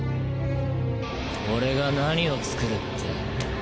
俺が何をつくるって？